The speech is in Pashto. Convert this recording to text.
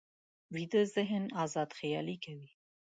ویده ذهن ازاد خیالي کوي